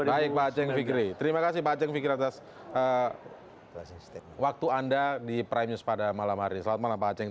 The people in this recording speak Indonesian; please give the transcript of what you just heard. baik pak ceng fikri terima kasih pak ceng fikri atas waktu anda di prime news pada malam hari selamat malam pak aceh